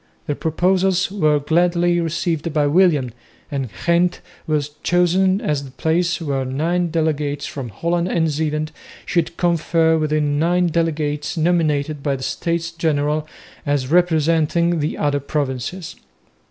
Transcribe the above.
The proposals were gladly received by William, and Ghent was chosen as the place where nine delegates from Holland and Zeeland should confer with nine delegates nominated by the States General as representing the other provinces.